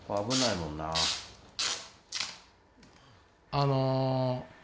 あの。